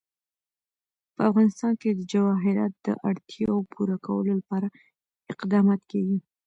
په افغانستان کې د جواهرات د اړتیاوو پوره کولو لپاره اقدامات کېږي.